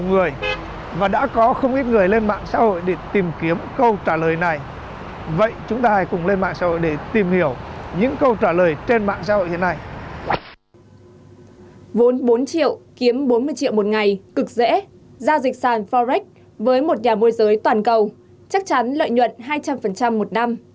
gia dịch sàn forex với một nhà môi giới toàn cầu chắc chắn lợi nhuận hai trăm linh một năm